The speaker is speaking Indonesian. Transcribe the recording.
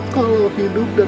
kalau hidup dan